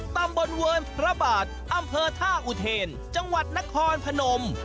ตำบลเวิร์นพระบาทอำเภอท่าอุเทนจังหวัดนครพนม